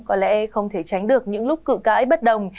có lẽ không thể tránh được những lúc cự cãi bất đồng